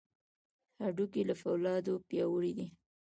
هډوکي له فولادو پیاوړي دي.